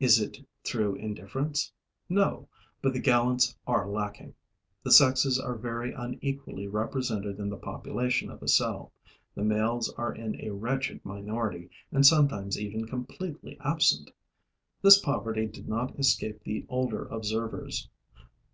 Is it through indifference? No, but the gallants are lacking. The sexes are very unequally represented in the population of a cell: the males are in a wretched minority and sometimes even completely absent. This poverty did not escape the older observers.